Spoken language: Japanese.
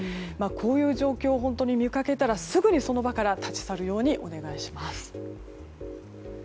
こういう状況を本当に見かけたらすぐにその場から立ち去るようにお願いします。